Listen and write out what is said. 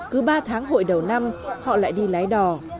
cứ ba tháng hội đầu năm họ lại đi lái đò